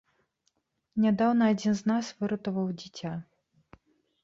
Нядаўна адзін з нас выратаваў дзіця.